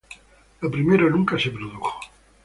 Lo primero nunca se produjo.